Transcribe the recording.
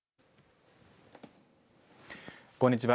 こんにちは。